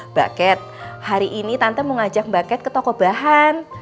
mbak kat hari ini tante mau ngajak mbak kat ke toko bahan